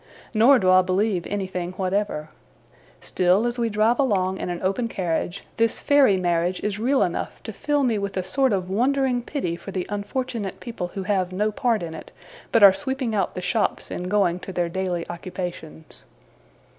Nor do I believe anything whatever. Still, as we drive along in an open carriage, this fairy marriage is real enough to fill me with a sort of wondering pity for the unfortunate people who have no part in it, but are sweeping out the shops, and going to their daily occupations.